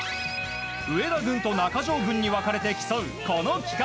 上田軍と中条軍に分かれて競うこの企画。